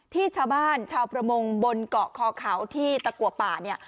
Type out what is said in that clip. ที่ชาวบ้านชาวประมงบนเกาะขอขาวที่ตะกั่วป่า